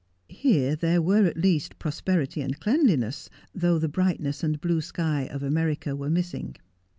Here there were, at least, prosperity and cleanliness, though the brightness and bine shy of America were missing.